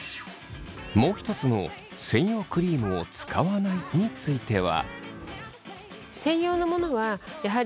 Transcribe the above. もう一つの「専用クリームを使わない」については？